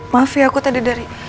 maaf ya aku tadi dari